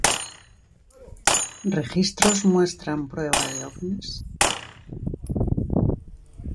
¿Registros muestran prueba de ovnis?